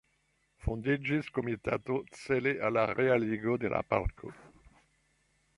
Fondiĝis komitato cele al la realigo de la parko.